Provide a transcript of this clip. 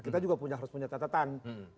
kita juga harus punya catatan